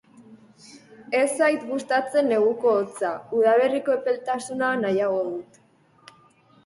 Ez zait gustatzen neguko hotza; udaberriko epeltasuna nahiago dut.